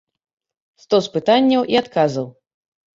Стос пытанняў і адказаў.